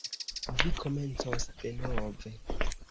Vi komencos denove.